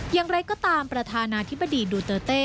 อย่างไรก็ตามประธานาธิบดีดูเตอร์เต้